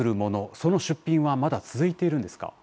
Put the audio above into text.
その出品はまだ続いているんですか。